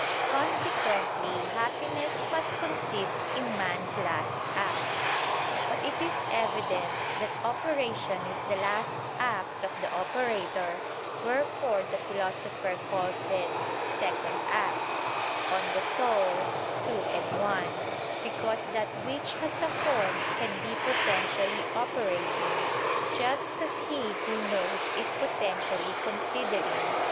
Consequently happiness must consist in man's last act. But it is evident that operation is the last act of the operator, wherefore the Philosopher calls it "second act" (De Anima ii, 1): because that which has a form can be potentially operating, just as he who knows is potentially considering.